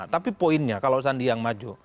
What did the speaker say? tapi poinnya kalau sandi yang maju